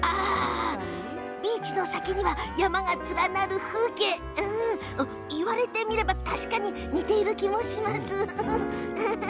ビーチの先には山が連なる風景言われてみれば似ている気もします！